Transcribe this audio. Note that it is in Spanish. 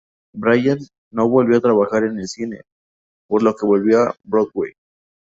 Bryant no volvió a trabajar en el cine, por lo que volvió a Broadway.